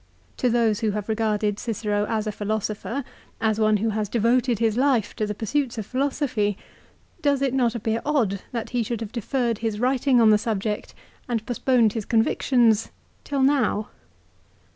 To those who have regarded Cicero as a philosopher, as one who has devoted his life to the pursuits of philosophy, does it not appear odd that he should have deferred his writing on the sub ject and postponed his convictions till now